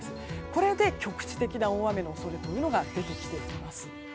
これで局地的な大雨の恐れというものが出てきます。